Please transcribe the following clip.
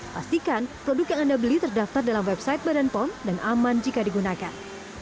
pastikan produk yang anda beli terdaftar dalam website badan pom dan aman jika digunakan